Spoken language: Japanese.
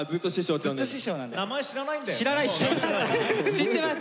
知ってます！